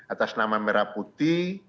atas nama merah putih